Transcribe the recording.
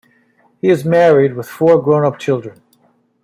He is married with four grown-up children.